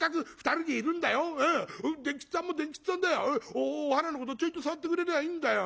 お花のことちょいと触ってくれりゃいいんだよ。